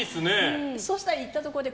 そしたら行ったところで